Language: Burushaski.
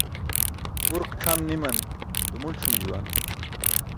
Urk c̣ʰam ni̇man dumul ṣi̇m juwan.